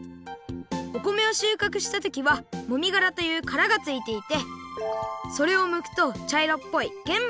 お米をしゅうかくしたときはもみがらというカラがついていてそれをむくとちゃいろっぽいげん